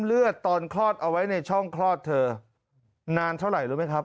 เลือดตอนคลอดเอาไว้ในช่องคลอดเธอนานเท่าไหร่รู้ไหมครับ